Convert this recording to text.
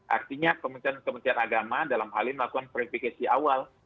artinya kementerian agama dalam hal ini melakukan verifikasi awal